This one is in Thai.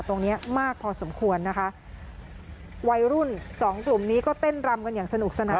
ตรงเนี้ยมากพอสมควรนะคะวัยรุ่นสองกลุ่มนี้ก็เต้นรำกันอย่างสนุกสนาน